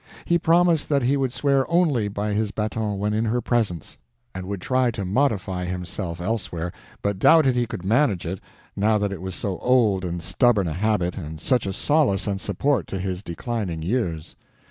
He promised that he would swear only by his baton when in her presence, and would try to modify himself elsewhere, but doubted he could manage it, now that it was so old and stubborn a habit, and such a solace and support to his declining years.